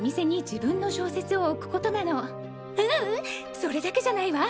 それだけじゃないわ。